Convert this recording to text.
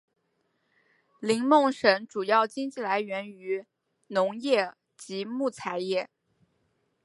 林梦省主要经济来源于农业及木材业。